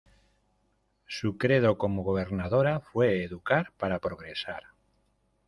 Su credo como gobernadora fue "educar para progresar".